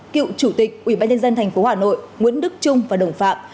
cựu chủ tịch ubnd tp hà nội nguyễn đức trung và đồng phạm